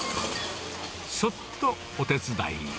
そっとお手伝い。